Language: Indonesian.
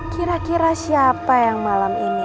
kira kira siapa yang malam ini